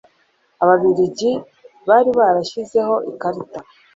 ababiligi bari barashyizeho ikarita